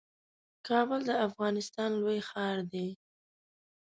کابل د افغانستان لوی ښار دئ